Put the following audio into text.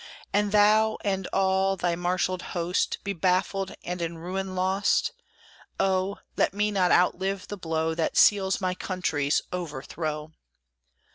And thou, and all thy marshalled host Be baffled and in ruin lost; Oh! let me not outlive the blow That seals my country's overthrow!